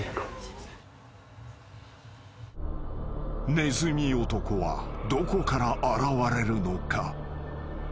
［ねずみ男はどこから現れるのか？］